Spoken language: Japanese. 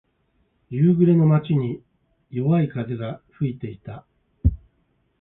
夕暮れの街に、弱い風が吹いていた。